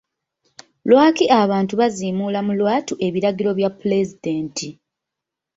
Lwaki abantu baziimuula mu lwatu ebiragiro by'pulezidenti?